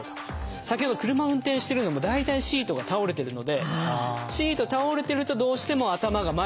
先ほど車を運転してるのも大体シートが倒れてるのでシート倒れてるとどうしても頭が前に出ちゃうんですよ。